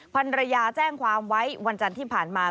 ภรรยาแจ้งความไว้วันจันทร์ที่ผ่านมา